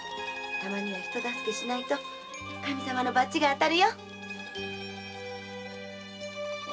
たまには人助けをしないと神様のバチが当たるよ。